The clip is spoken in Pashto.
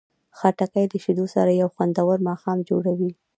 خټکی له شیدو سره یو خوندور ماښام جوړوي.